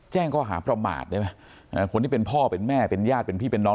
ข้อหาประมาทได้ไหมคนที่เป็นพ่อเป็นแม่เป็นญาติเป็นพี่เป็นน้อง